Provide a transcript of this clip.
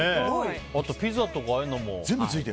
あと、ピザとかああいうのも。